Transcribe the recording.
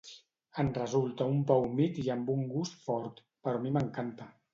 En resulta un pa humit i amb un gust fort, però a mi m'encanta.